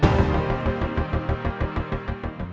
kayaknya kecil aja